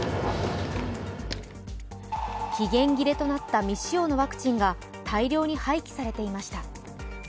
期限切れとなった未使用のワクチンが大量に廃棄されていました。